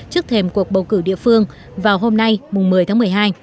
trước thêm cuộc bầu cử địa phương vào hôm nay một mươi tháng một mươi hai